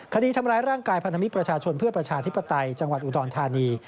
คดีทำร้ายร่างกายพันธมิตรประชาชนเพื่อประชาธิปไตยจังหวัดอุดรธานี